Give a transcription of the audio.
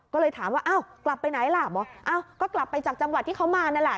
ก็เลยถามว่าอ้าวกลับไปไหนล่ะบอกอ้าวก็กลับไปจากจังหวัดที่เขามานั่นแหละ